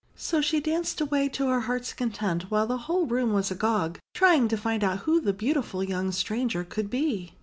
So she danced away to her heart's content, while the whole room was agog, trying to find out who the beautiful young stranger could be.